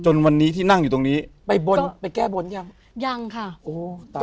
วันนี้ที่นั่งอยู่ตรงนี้ไปบนไปแก้บนยังยังค่ะโอ้ตาย